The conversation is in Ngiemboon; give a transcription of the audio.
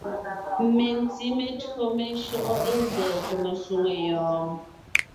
Mentí metÿǒ meshÿɔʼɔ́ ée tsɛ̀ɛ kème shwòŋo yɔɔn?